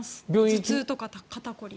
頭痛とか肩凝り。